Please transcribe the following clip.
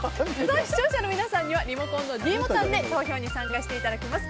視聴者の皆さんにはリモコンのｄボタンで投票に参加していただきます。